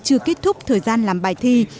từ kết thúc thời gian làm bài thi